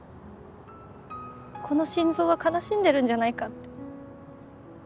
この心臓は悲しんでるんじゃないかって。